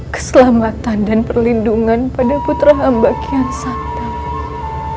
keselamatan dan perlindungan pada putra hamba kian santa